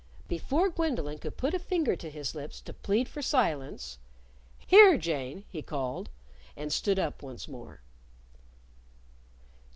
Before Gwendolyn could put a finger to his lips to plead for silence, "Here, Jane," he called, and stood up once more.